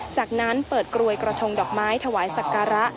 จากนั้นเปิดกรวยกระทงดอกไม้ถวายสักการะ